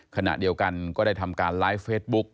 ขณะเดียวกันก็ได้ทำการไลฟ์เฟซบุ๊ก